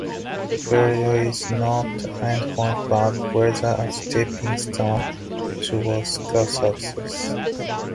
Failure is not an endpoint but rather a stepping stone towards success.